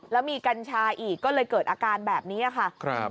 แล้วมีกัญชาอีกก็เลยเกิดอาการแบบนี้ค่ะ